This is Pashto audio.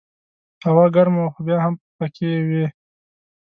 هوا ګرمه وه خو بیا هم پکې وې.